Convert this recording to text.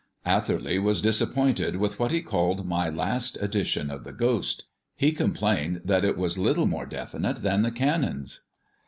Atherley was disappointed with what he called my last edition of the ghost; he complained that it was little more definite than the Canon's.